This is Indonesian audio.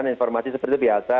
informasi seperti itu biasa